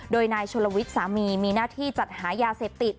โดยนายชลวิทย์สามีมีหน้าที่จัดหายาเสพติด